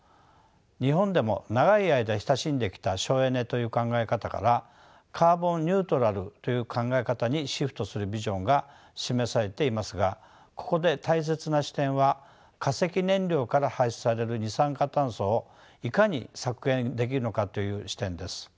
日本でも長い間親しんできた省エネという考え方からカーボン・ニュートラルという考え方にシフトするビジョンが示されていますがここで大切な視点は化石燃料から排出される二酸化炭素をいかに削減できるのかという視点です。